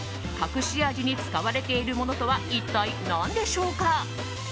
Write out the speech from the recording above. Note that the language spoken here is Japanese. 隠し味に使われているものとは一体何でしょうか。